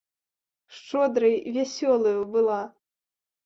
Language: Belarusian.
Шчодрай і вясёлаю была.